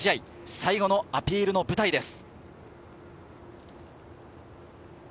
最後のアピールの舞台です。